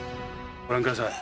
ご覧ください。